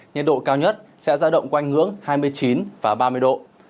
nhiệt độ cao nhất sẽ ra động quanh ngưỡng hai mươi chín và ba mươi độ